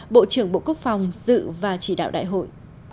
bộ trưởng bộ quốc phòng dự và chỉ đạo đại hội